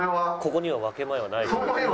「ここには分け前はないと」